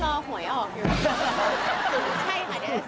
แล้วก็ไม่หรอกก็คงแบบ